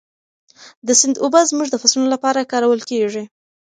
د سیند اوبه زموږ د فصلونو لپاره کارول کېږي.